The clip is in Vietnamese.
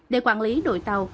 để quản lý đội tàu